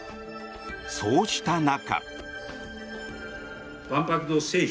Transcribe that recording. そうした中。